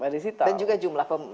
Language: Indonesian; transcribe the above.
dan juga jumlah